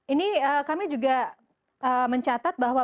ini kami juga mencatat bahwa